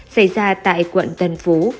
xảy ra tại quận tân phú